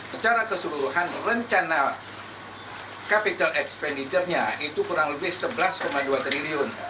secara keseluruhan rencana capital expenditure nya itu kurang lebih sebelas dua triliun